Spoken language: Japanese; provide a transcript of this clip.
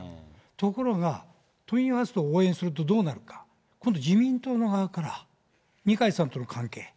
ところが、都民ファーストを応援するとどうなるか、今度、自民党側から、二階さんとの関係。